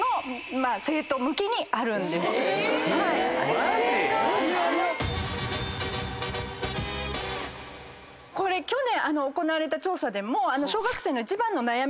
マジ⁉これ去年行われた調査でも。